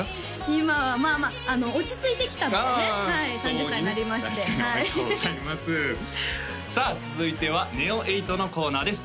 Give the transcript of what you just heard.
今はまあまあ落ち着いてきたんでねはい３０歳になりましておめでとうございますさあ続いてはＮＥＯ８のコーナーです